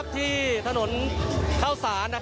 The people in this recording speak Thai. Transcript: ที่ถนนเข้าสาร